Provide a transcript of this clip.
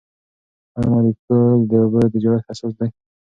آیا مالیکول د اوبو د جوړښت اساس دی؟